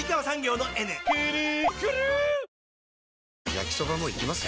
焼きソバもいきます？